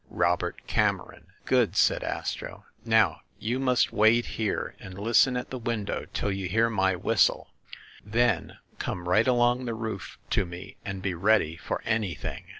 ROBERT CAMERON." "Good !" said Astro. "Now you must wait here and listen at the window till you hear my whistle. Then come right along the roof to me and be ready for any thing."